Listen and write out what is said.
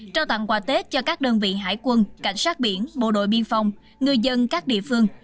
trao tặng quà tết cho các đơn vị hải quân cảnh sát biển bộ đội biên phòng người dân các địa phương